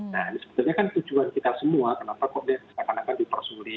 nah ini sebenarnya kan tujuan kita semua kenapa kok ini akan diprosuli